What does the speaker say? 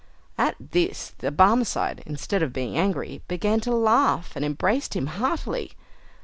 At this the Barmecide, instead of being angry, began to laugh, and embraced him heartily.